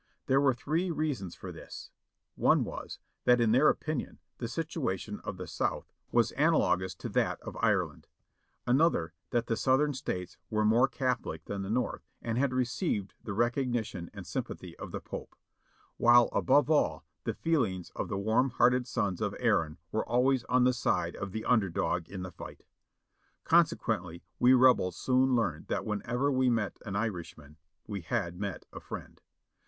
There were three reasons for this : one was, that in their opin ion the situation of the South was analogous to that of Ireland ; another, that the Southern States were more Catholic than the North and had received the recognition and sympathy of the Pope ; while above all, the feelings of the warm hearted sons of Erin were always on the side of the under dog in the fight. Con sequently, we Rebels soon learned that whenever we met an Irish man we had met a friend.